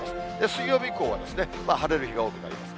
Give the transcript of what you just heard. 水曜日以降は、晴れる日が多くなります。